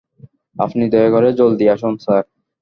আপনি দয়া করে জলদি আসুন, স্যার।